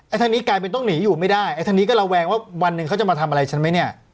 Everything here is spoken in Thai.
ทางนี้กลายเป็นต้องหนีอยู่ไม่ได้ไอ้ทางนี้ก็ระแวงว่าวันหนึ่งเขาจะมาทำอะไรฉันไหมเนี่ย